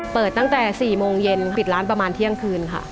เปิดตั้งแต่๔โมงเย็นปิดร้านประมาณเที่ยงคืนค่ะ